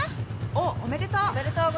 「おおおめでとう」